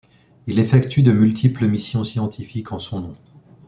Il effectue de multiples missions scientifiques en son nom.